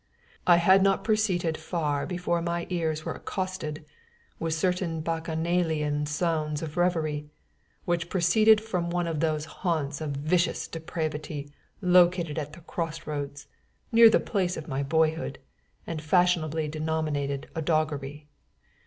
I had not proceeded far before my ears were accosted with certain Bacchanalian sounds of revelry, which proceeded from one of those haunts of vicious depravity located at the cross roads, near the place of my boyhood, and fashionably denominated a doggery.